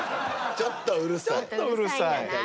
ちょっとうるさい。